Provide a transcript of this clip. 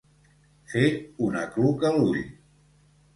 Fer un acluca l'ull.